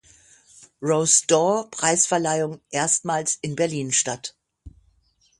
Rose d’Or Preisverleihung erstmals in Berlin statt.